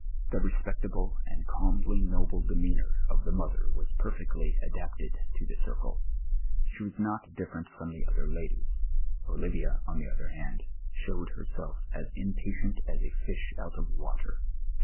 The respectable and cabnly noble demcanoui of the mother was perfectly adapted to the ciicle ; she was not different from the other ladies: Olivia, on the other hand, showed herself as impatient as a fish out of water.